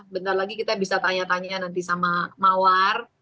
bentar lagi kita bisa tanya tanya nanti sama mawar